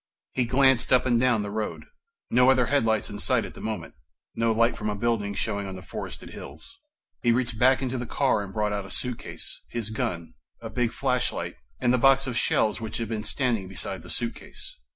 He glanced up and down the road. No other headlights in sight at the moment, no light from a building showing on the forested hills. He reached back into the car and brought out the suitcase, his gun, a big flashlight and the box of shells which had been standing beside the suitcase.